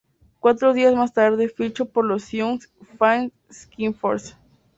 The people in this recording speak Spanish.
Cuatro días más tarde fichó por los Sioux Falls Skyforce.